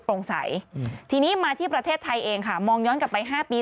ใสทีนี้มาที่ประเทศไทยเองค่ะมองย้อนกลับไป๕ปี